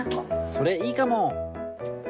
それいいかも。